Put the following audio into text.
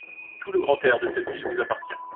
Tout le grand air de cette ville vous appartient.